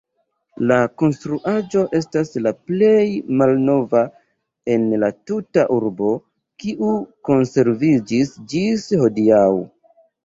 La konstruaĵo estas la plej malnova en la tuta urbo, kiu konserviĝis ĝis hodiaŭ.